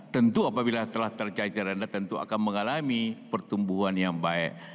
tentu apabila telah tercair rendah tentu akan mengalami pertumbuhan yang baik